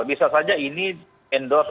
bisa saja ini endorse untuk jokowi